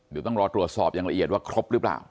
เดี๋ยวต้องรอตรวจสอบอย่างละเอียดว่าครบหรือเปล่า